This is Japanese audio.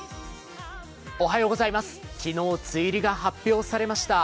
昨日、梅雨入りが発表されました。